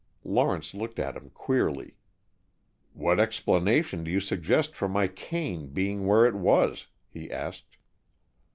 Lawrence looked at him queerly. "What explanation do you suggest for my cane being where it was?" he asked.